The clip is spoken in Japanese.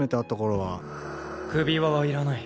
首輪はいらない。